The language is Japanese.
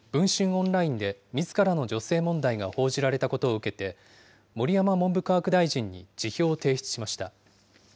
オンラインでみずからの女性問題が報じられたことを受けて、盛山文部科学大臣に辞表を提出しました。